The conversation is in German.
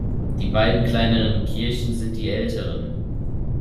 Die beiden kleineren Kirchen sind die älteren.